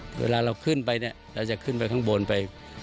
เวลาเราขึ้นไปเนี่ยเราจะขึ้นไปข้างบนไป